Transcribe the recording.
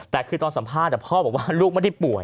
แต่คือตอนสัมภาษณ์พ่อบอกว่าลูกไม่ได้ป่วย